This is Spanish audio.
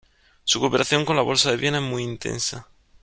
Su cooperación con la Bolsa de Viena es muy intensa.